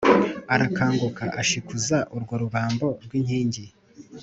Arakanguka ashikuza urwo rubambo rw inkingi